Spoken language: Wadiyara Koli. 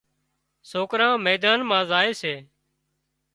سوڪران ميدان مان زائي سي